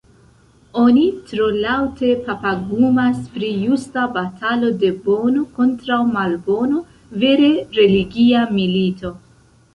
Oni tro laŭte papagumas pri justa batalo de Bono kontraŭ Malbono, vere religia milito.